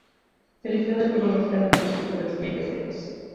Se retiró del fútbol mexicano en el equipo de los Estudiantes Tecos.